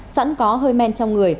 sẵn có hơi men trong người